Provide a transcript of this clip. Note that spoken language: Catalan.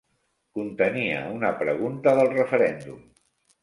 Contenia una pregunta del referèndum.